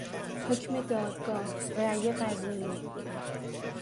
حکم دادگاه، رای قضایی